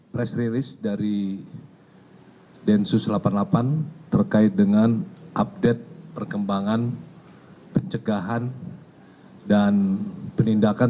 press release dari densus delapan puluh delapan terkait dengan update perkembangan pencegahan dan penindakan